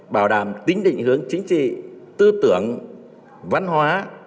bảo đảm tính định hướng chính trị tư tưởng văn hóa